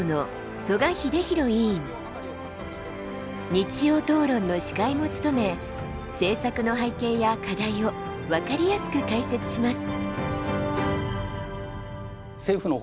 「日曜討論」の司会も務め政策の背景や課題を分かりやすく解説します。